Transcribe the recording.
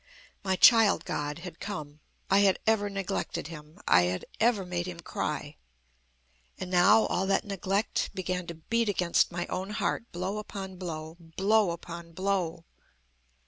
"My child God had come. I had ever neglected Him. I had ever made Him cry. And now all that neglect began to beat against my own heart, blow upon blow, blow upon blow.